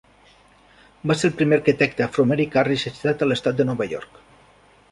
Va ser el primer arquitecte afroamericà registrat a l'estat de Nova York.